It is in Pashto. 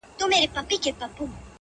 چې له ښکلا مینه پیدا کیږي